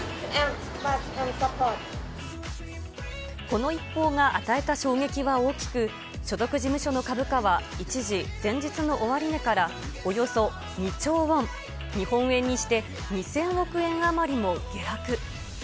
この一報が与えた衝撃は大きく、所属事務所の株価は一時、前日の終値からおよそ２兆ウォン、日本円にして２０００億円余りも下落。